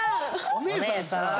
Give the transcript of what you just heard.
お姉さん！